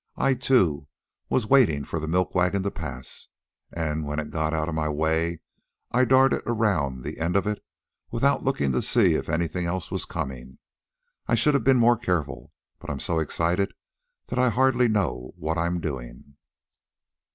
"I, too, was waiting for the milk wagon to pass, and when it got out of my way, I darted around the end of it, without looking to see if anything else was coming. I should have been more careful, but I'm so excited that I hardly know what I'm doing."